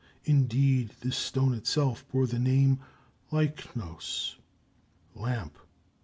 Indeed, the stone itself bore the name lychnos ("lamp").